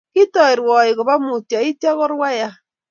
Kitoi rwaik kopa mutyo itya ko rwaiya